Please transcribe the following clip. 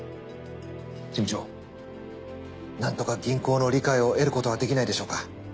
事務長なんとか銀行の理解を得ることはできないでしょうか？